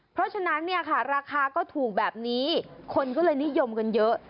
เพราะฉะนั้นเนี่ยค่ะราคาก็ถูกแบบนี้คนก็เลยนิยมกันเยอะ